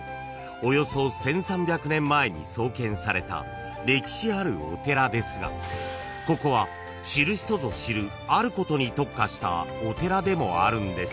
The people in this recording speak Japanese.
およそ１，３００年前に創建された歴史あるお寺ですがここは知る人ぞ知るあることに特化したお寺でもあるんです］